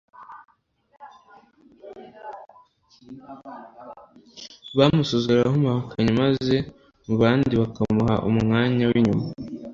Bamusuzuguraga nk'umuhakanyi, maze mu bandi bakamuha umwanya w'inyuma.